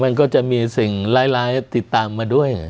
มันก็จะมีสิ่งร้ายติดตามมาด้วย